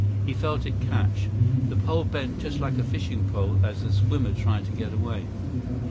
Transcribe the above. He felt it catch. The pole bent just like a fishing pole as the swimmer tried to get away.